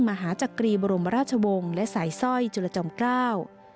มหาจักรีบรมราชวงศ์และสายสร้อยจุลจอมเกล้า